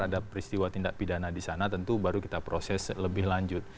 ada peristiwa tindak pidana di sana tentu baru kita proses lebih lanjut